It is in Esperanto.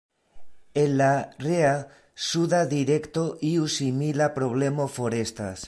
En la rea, suda direkto iu simila problemo forestas.